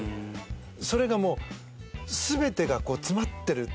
それがもう全てが詰まってる。